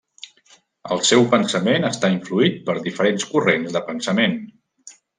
El seu pensament està influït per diferents corrents de pensament.